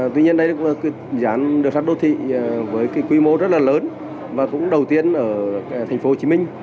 tuy nhiên đây cũng là dự án đường sắt đô thị với cái quy mô rất là lớn và cũng đầu tiên ở thành phố hồ chí minh